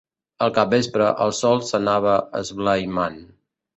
Al capvespre, el sol s'anava esblaimant.